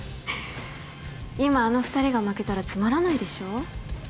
今あの二人が負けたらつまらないでしょ